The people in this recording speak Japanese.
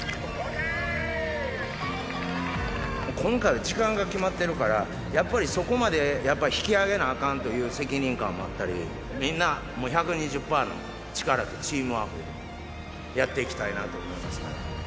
今回は時間が決まってるから、やっぱりそこまで、やっぱり引き上げなあかんという責任感があったり、みんな、もう１２０パーの力とチームワークでやっていきたいなと思います。